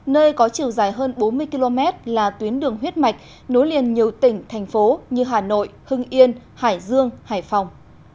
nơi có chiều dài hơn bốn mươi km là tuyến đường huyết mạch nối liền nhiều tỉnh thành phố như hà nội hưng yên hải dương hải phòng